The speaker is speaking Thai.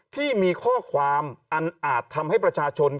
ที่มีข้อความอันอาจทำให้ประชาชน